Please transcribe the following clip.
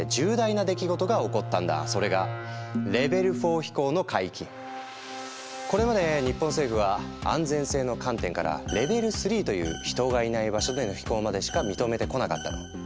それがこれまで日本政府は安全性の観点からレベル３という人がいない場所での飛行までしか認めてこなかったの。